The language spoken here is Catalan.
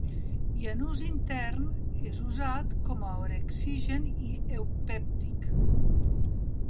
I en ús intern, és usat com orexigen i eupèptic.